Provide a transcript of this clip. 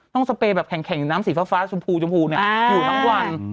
สเปรย์แบบแข็งน้ำสีฟ้าชมพูชมพูอยู่ทั้งวัน